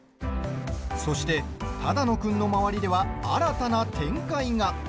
そして只野君の周りでは新たな展開が。